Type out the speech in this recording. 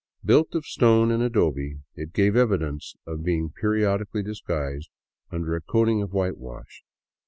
Built of stone and adobe, it gave evidence of being periodically disguised under a coating of whitewash.